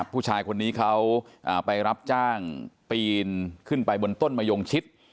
ผู้ชายคนนี้เขาไปรับจ้างปีนขึ้นไปบนต้นมะยงชิด